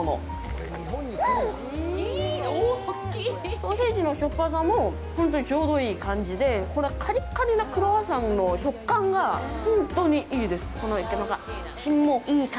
ソーセージのしょっぱさもほんとにちょうどいい感じで、これ、カリッカリなクロワッサンの食感がほんとにいいです！